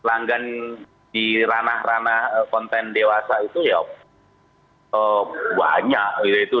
pelanggan di ranah ranah konten dewasa itu ya banyak gitu